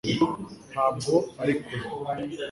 ntabwo ari kure